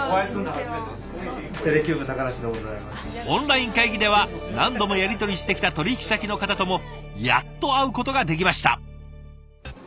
オンライン会議では何度もやり取りしてきた取引先の方ともやっと会うことができました。